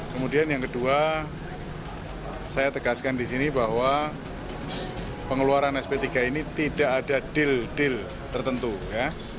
kemudian yang kedua saya tegaskan di sini bahwa pengeluaran sp tiga ini tidak ada deal deal tertentu ya